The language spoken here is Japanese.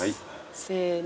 せの。